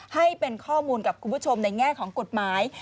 ให้เป็นข้อมูลกับคุณผู้ชมในแง่ของกฎหมาย